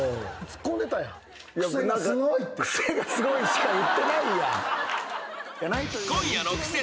「クセがスゴい」しか言ってないやん。